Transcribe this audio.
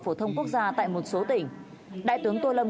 phổ thông quốc gia tại một số tỉnh đại tướng tô lâm